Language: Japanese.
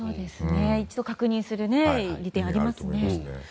一度確認する利点はありますね。